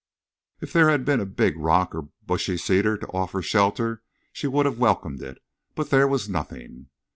If there had been a big rock or bushy cedar to offer shelter she would have welcomed it. But there was nothing.